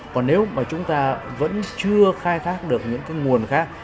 còn nếu mà chúng ta vẫn chưa khai thác được những cái nguồn khác